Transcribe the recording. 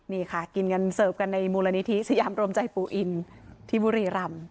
นี่ค่ะกินกันเสิร์ฟกันในมูลนิธิสยามรวมใจปู่อินที่บุรีรำ